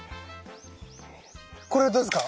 これどうですか？